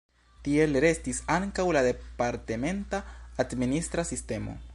Tiel restis ankaŭ la departementa administra sistemo.